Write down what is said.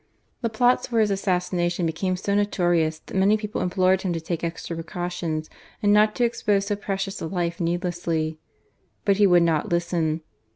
The plots for his assassination became so notorious that many people implored him to take extra precautions, and not to expose so precious a life needlessly. But he would not listen.